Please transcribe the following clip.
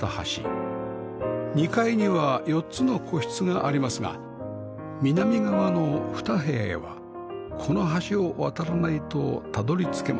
２階には４つの個室がありますが南側の２部屋へはこの橋を渡らないとたどり着けません